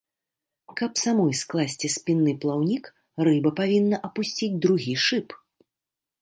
Каб самой скласці спінны плаўнік, рыба павінна апусціць другі шып.